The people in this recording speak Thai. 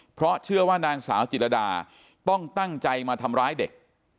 เพราะเชื่อว่านางสาวจิตรดาต้องตั้งใจมาทำร้ายเด็ก